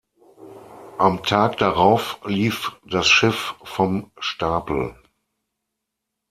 Am Tag darauf lief das Schiff vom Stapel.